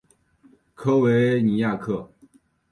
科维尼亚克。